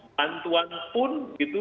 bantuan pun itu